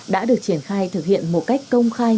đã được triển khai thực hiện một cách công khai